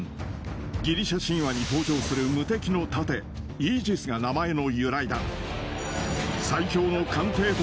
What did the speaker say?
ギリシャ神話に登場する無敵の盾、イージスが名前の由来だ。